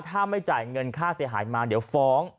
ถ้าไม่จ่ายเงินค่าเสียหายมาเดี๋ยวฟ้อง